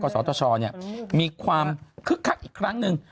กรสรทชเนี่ยมีความคึกคักอีกครั้งหนึ่ง